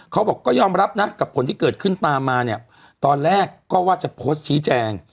เขาบอกก็ยอมรับนะกับผลที่เกิดขึ้นตามมาเนี่ยตอนแรกก็ว่าจะโพสต์ชี้แจง